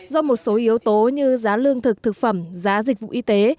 do một số yếu tố như giá lương thực thực phẩm giá dịch vụ y tế